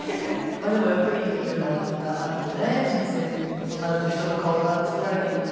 まあでもやっぱりいろいろあるとね人生そうなると人の顔が作られていくんだなと思いますよね。